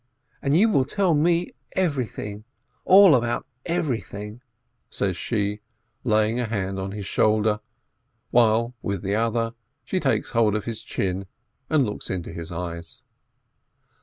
"And you will tell me everything, all about every thing," she says, laying a hand on his shoulder, while with the other she takes hold of his chin, and looks into his eyes.